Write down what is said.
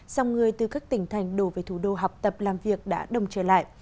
dòng người từ các tỉnh thành đổ về thủ đô học tập làm việc đã đồng trở lại